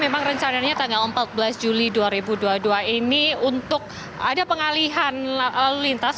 memang rencananya tanggal empat belas juli dua ribu dua puluh dua ini untuk ada pengalihan lalu lintas